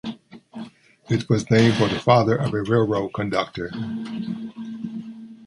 It was named for the father of a railroad conductor.